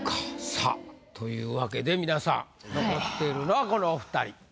さあというわけで皆さん残っているのはこのお２人。